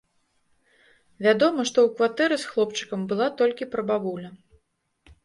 Вядома, што ў кватэры з хлопчыкам была толькі прабабуля.